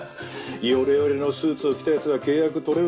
ヨレヨレのスーツを着た奴が契約取れると思うか？